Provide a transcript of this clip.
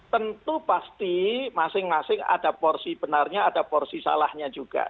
tentu pasti masing masing ada porsi benarnya ada porsi salahnya juga